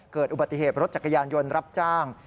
เกิดอุบัติเหตุรถจักรยานยนต์รับจ้าง